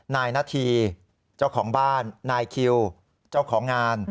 นายนาธีเจ้าของบ้านนายคิวเจ้าของงาน